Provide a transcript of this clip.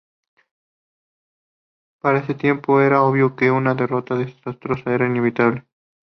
Para ese tiempo, era obvio que una derrota desastrosa era inevitable.